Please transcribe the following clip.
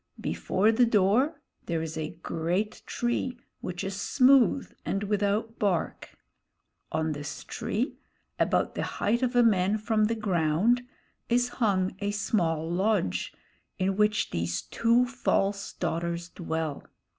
Before the door there is a great tree, which is smooth and without bark. On this tree, about the height of a man from the ground, is hung a small lodge, in which these two false daughters dwell.